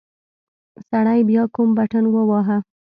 سړي بيا کوم بټن وواهه.